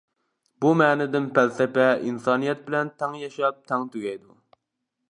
بۇ مەنىدىن پەلسەپە ئىنسانىيەت بىلەن تەڭ ياشاپ تەڭ تۈگەيدۇ.